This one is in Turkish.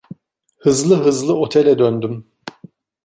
Hızlı hızlı otele döndüm.